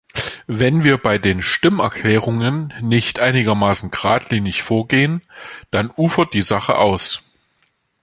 Wenn wir bei den Stimmerklärungen nicht einigermaßen geradlinig vorgehen, dann ufert die Sache aus.